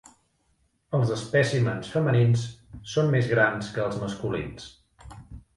Els espècimens femenins són més grans que els masculins.